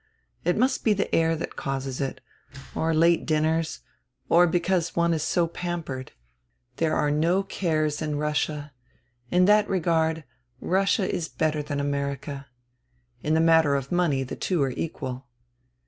It must be the air that causes it, or late dinners, or because one is so pampered. There are no cares in Russia; in that regard Russia is better than America. In the matter of money the two are equal."